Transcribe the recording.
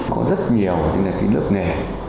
có rất nhiều lớp nghề